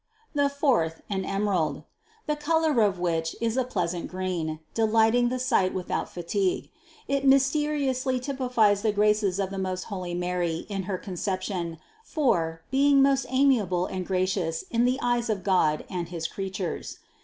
288. "The fourth, an emerald," the color of which is a pleasant green, delighting the sight without fatigue. It mysteriously typifies the graces of the most holy Mary in her Conception for, being most amiable and gracious in the eyes of God and his creatures.